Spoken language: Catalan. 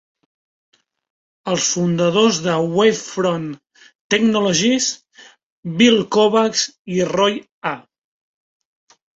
Els fundadors de Wavefront Technologies, Bill Kovacs i Roy A.